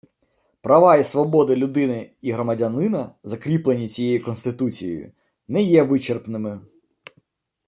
Права і свободи людини і громадянина, закріплені цією Конституцією, не є вичерпними